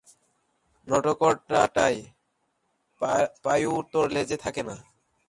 নটোকর্ডাটার পায়ু উত্তর লেজে থাকে না।